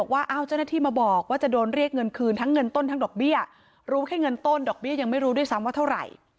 ว่าจะโดนเรียกเงินคืนทั้งเงินต้นทั้งดอกเบี้ยรู้แค่เงินต้นดอกเบี้ยยังไม่รู้ด้วยซ้ำว่าเท่าไหร่